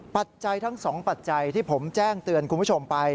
ปัจจัยทั้งสองปัจจัยที่ผมแจ้งเตือนคุณผู้ชมไป